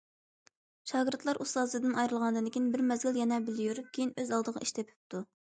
شاگىرتلار ئۇستازىدىن ئايرىلغاندىن كېيىن بىر مەزگىل يەنە بىللە يۈرۈپ، كېيىن ئۆز ئالدىغا ئىش تېپىپتۇ.